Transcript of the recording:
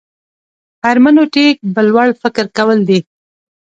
هرمنوتیک بل وړ فکر کول دي.